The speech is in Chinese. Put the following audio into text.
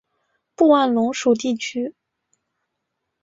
布万龙属地区。